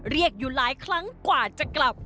อยู่หลายครั้งกว่าจะกลับ